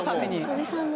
おじさんの。